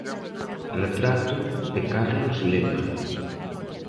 Retrato de Carlos Lema.